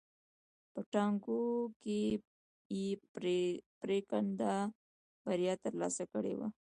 په ټاکنو کې یې پرېکنده بریا ترلاسه کړې وه.